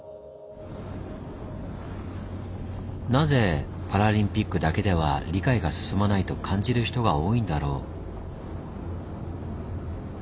なぜパラリンピックだけでは理解が進まないと感じる人が多いんだろう？